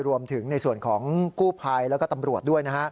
รวมถึงในส่วนของกู้ภัยแล้วก็ตำรวจด้วยนะฮะ